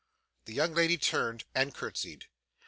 The young lady turned and curtsied.